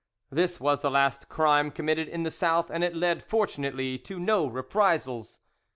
This was the last crime committed in the South, and it led fortunately to no reprisals.